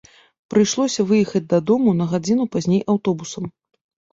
Прыйшлося выехаць дадому на гадзіну пазней аўтобусам.